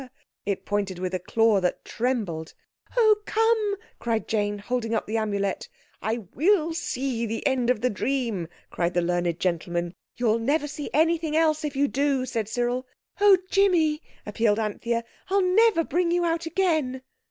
It pointed with a claw that trembled. "Oh, come!" cried Jane, holding up the Amulet. "I will see the end of the dream," cried the learned gentleman. "You'll never see anything else if you do," said Cyril. "Oh, Jimmy!" appealed Anthea. "I'll never bring you out again!"